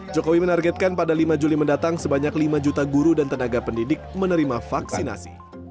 jokowi menargetkan pada lima juli mendatang sebanyak lima juta guru dan tenaga pendidik menerima vaksinasi